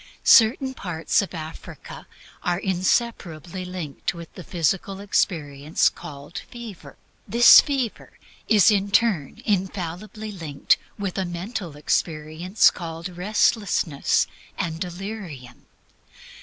Certain parts of Africa are inseparably linked with the physical experience called fever; this fever is in turn infallibly linked with a mental experience called restlessness and delirium.